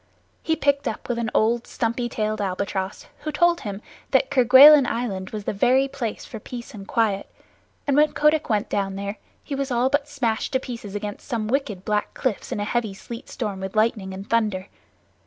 He picked up with an old stumpy tailed albatross, who told him that Kerguelen Island was the very place for peace and quiet, and when Kotick went down there he was all but smashed to pieces against some wicked black cliffs in a heavy sleet storm with lightning and thunder.